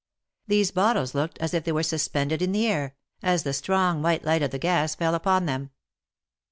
These bottles looked as if they were suspended in the air, as the strong, white light of the gas fell upon them.